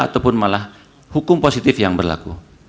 ataupun malah hukum positif yang berlaku